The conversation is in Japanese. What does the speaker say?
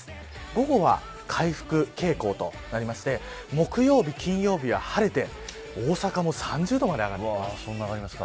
午後は回復傾向となりまして木曜日、金曜日は晴れて大阪も３０度まで上がります。